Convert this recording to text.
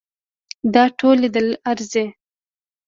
دا ټول لیدل ارزي.